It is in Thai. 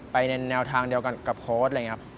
ในแนวทางเดียวกันกับโค้ชอะไรอย่างนี้ครับ